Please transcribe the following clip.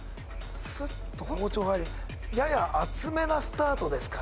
スッと包丁が入りやや厚めなスタートですかね